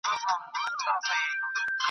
چي پر مځکه خوځېدله د ده ښکار وو .